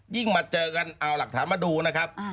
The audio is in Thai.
มาเจอกันเอาหลักฐานมาดูนะครับ